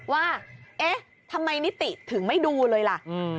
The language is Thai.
ว่าเอ๊ะทำไมนิติถึงไม่ดูเลยล่ะ